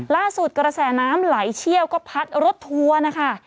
กระแสน้ำไหลเชี่ยวก็พัดรถทัวร์นะคะ